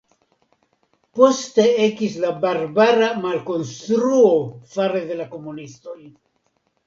Poste ekis la barbara malkonstruo fare de la komunistoj.